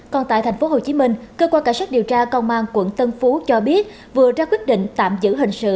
còn tại tp hcm cơ quan cảnh sát điều tra công an quận tân phú cho biết vừa ra quyết định tạm giữ hình sự